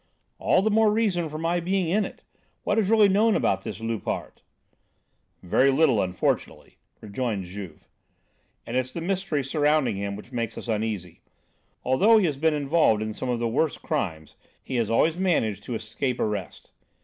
"All the more reason for my being in it! What is really known about this Loupart?" "Very little, unfortunately," rejoined Juve. "And it's the mystery surrounding him which makes us uneasy. Although he has been involved in some of the worst crimes, he has always managed to escape arrest.